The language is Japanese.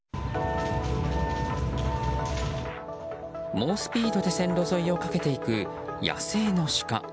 猛スピードで線路沿いを駆けていく野生のシカ。